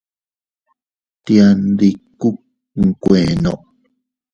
Tiandikku nkuenno.